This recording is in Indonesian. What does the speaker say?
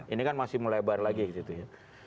ini kan masih melebar lagi gitu ya